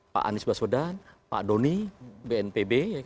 pak anies baswedan pak doni bnpb